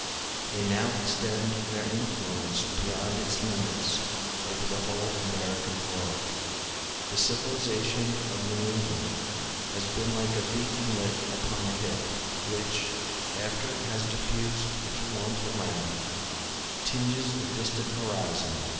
They now extend their influence beyond its limits over the whole American world. The civilization of New England has been like a beacon lit upon a hill, which, after it has diffused its warmth around, tinges the distant horizon with its glow.